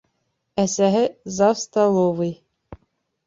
Әсәһе... завстоловый.